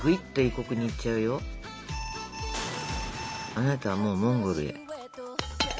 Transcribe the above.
あなたはもうモンゴルへ。